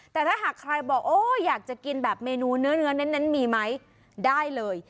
แต่ถ้าหากใครบอกโอ้อยากจะกินแบบเมนูเนื้อเน้นมีไหมได้เลย